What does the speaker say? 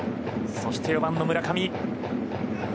そして４番の村上。